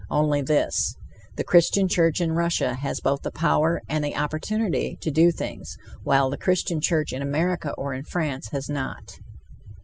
Only this: The Christian Church in Russia has both the power and the opportunity to do things, while the Christian church in America or in France has not.